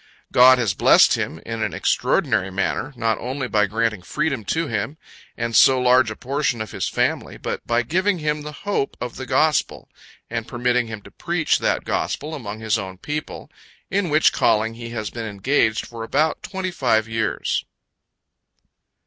God has blessed him in an extraordinary manner, not only by granting freedom to him and so large a portion of his family, but by giving him the hope of the gospel, and permitting him to preach that gospel among his own people in which calling he has been engaged for about twenty five years.